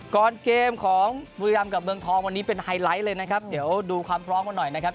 เกมของบุรีรำกับเมืองทองวันนี้เป็นไฮไลท์เลยนะครับเดี๋ยวดูความพร้อมมาหน่อยนะครับ